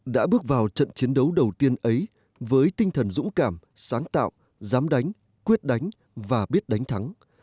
đã bước vào trận chiến đấu đầu tiên ấy với tinh thần dũng cảm sáng tạo dám đánh quyết đánh và biết đánh thắng